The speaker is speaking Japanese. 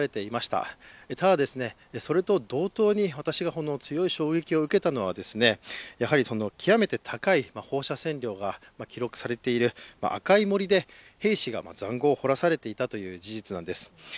ただ、それと同等に私が強い衝撃を受けたのは極めて高い放射線量が記録されている赤い森で兵士がざんごうを掘らされていたという事実なんです。